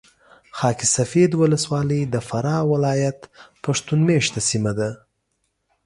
خاک سفید ولسوالي د فراه ولایت پښتون مېشته سیمه ده .